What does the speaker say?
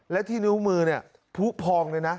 และที่นิ้วมือเนี่ยผู้พองเลยนะ